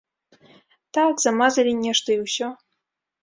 Так, замазалі нешта, і ўсё.